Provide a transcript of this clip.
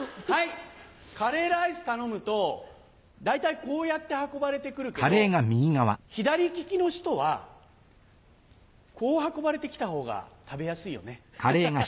カレーライス頼むと大体こうやって運ばれてくるけど左利きの人はこう運ばれてきた方が食べやすいよね。